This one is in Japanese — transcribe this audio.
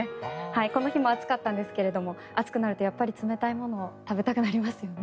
この日も暑かったんですが暑くなるとやはり冷たいものが食べたくなりますよね。